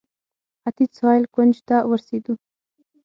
ختیځ سهیل کونج ته ورسېدو.